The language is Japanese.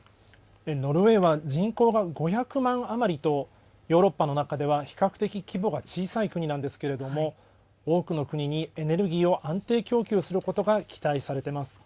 ノルウェーは人口が５００万余りとヨーロッパの中では比較的規模が小さい国なんですけれども多くの国にエネルギーを安定供給することが期待されています。